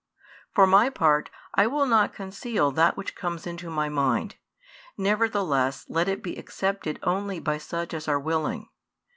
For my part, I will not conceal that which comes into my mind; nevertheless let it be accepted [only] by such as are willing.